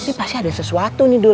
sih pasti ada sesuatu nih dul